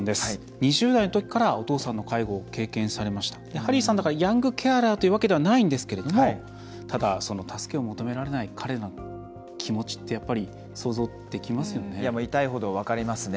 ２０代のときからお父さんの介護を経験しましたヤングケアラーというわけではないんですけれどもただ、助けを求められない彼の気持ちって痛いほど分かりますね。